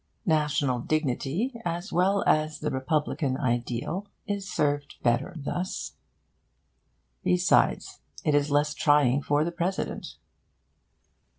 National dignity, as well as the republican ideal, is served better thus. Besides, it is less trying for the President.